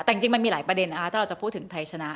แต่จริงมันมีหลายประเด็นนะคะถ้าเราจะพูดถึงไทยชนะ